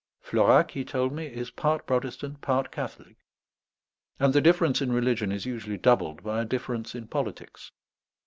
Florac, he told me, is part Protestant, part Catholic; and the difference in religion is usually doubled by a difference in politics.